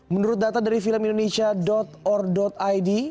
menurut data dari filmindonesia or id